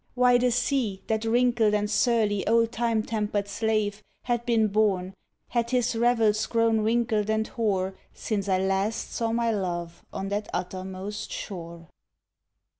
Why the sea, That wrinkled and surly old time tempered slave, Had been born, had his revels, grown wrinkled and hoar Since I last saw my love on that uttermost shore.